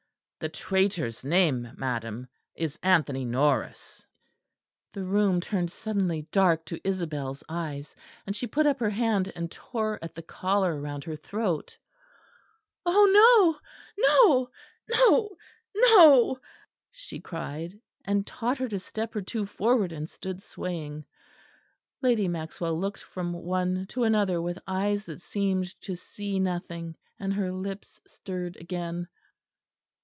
"The traitor's name, madam, is Anthony Norris." The room turned suddenly dark to Isabel's eyes; and she put up her hand and tore at the collar round her throat. "Oh no, no, no, no!" she cried, and tottered a step or two forward and stood swaying. Lady Maxwell looked from one to another with eyes that seemed to see nothing; and her lips stirred again.